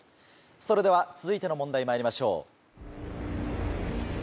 それでは続いての問題まいりましょう。